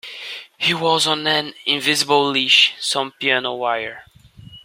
He was on an invisible leash, some piano wire.